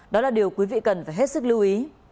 đó là điều quý vị cần phải hết sức lưu ý